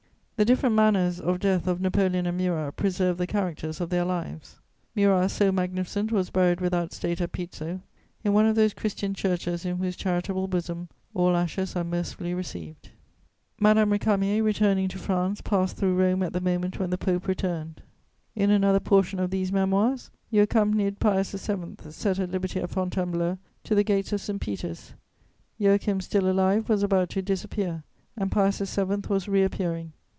The different manners of death of Napoleon and Murat preserve the characters of their lives. Murat, so magnificent, was buried without state at Pizzo, in one of those Christian churches in whose charitable bosom all ashes are mercifully received. Madame Récamier, returning to France, passed through Rome at the moment when the Pope returned. In another portion of these Memoirs, you accompanied Pius VII., set at liberty at Fontainebleau, to the gates of St Peter's. Joachim, still alive, was about to disappear, and Pius VII. was reappearing.